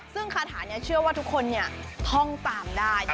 ซึ่งคาถานี้เชื่อว่าทุกคนท่องตามได้